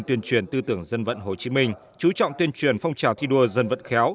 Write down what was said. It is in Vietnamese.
tuyên truyền tư tưởng dân vận hồ chí minh chú trọng tuyên truyền phong trào thi đua dân vận khéo